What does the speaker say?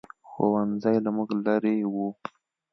ښوؤنځی له موږ لرې ؤ